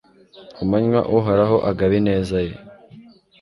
Ku manywa Uhoraho agaba ineza ye